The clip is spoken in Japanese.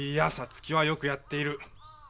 皐月はよくやっている。